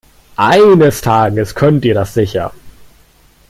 Eines Tages könnt ihr das sicher.